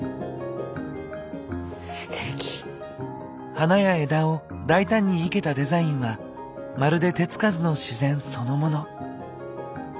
花や枝を大胆に生けたデザインはまるで手つかずの自然そのもの。